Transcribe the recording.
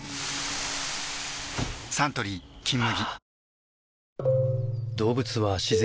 サントリー「金麦」